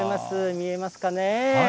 見えますかね。